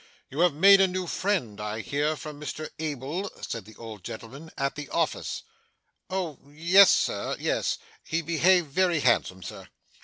'You have made a new friend, I hear from Mr Abel,' said the old gentleman, 'at the office!' 'Oh! Yes Sir, yes. He behaved very handsome, Sir.